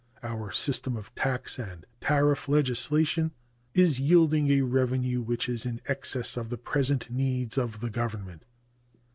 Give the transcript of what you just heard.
Our system of tax and tariff legislation is yielding a revenue which is in excess of the present needs of the Government.